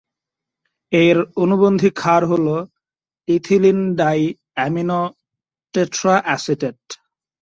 এর অনুবন্ধী ক্ষার হলো ইথিলিনডাইএমিনোটেট্রাএসিটেট।